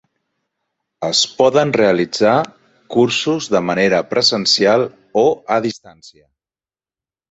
Es poden realitzar cursos de manera presencial o a distància.